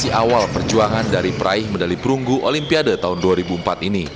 menjadi saksi awal perjuangan dari praih medali perunggu olimpiade tahun dua ribu empat ini